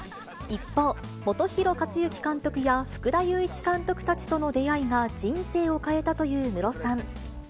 一方、本広克行監督や福田雄一監督たちとの出会いが人生を変えたというムロさん。